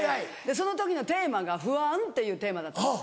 その時のテーマが不安っていうテーマだったんです。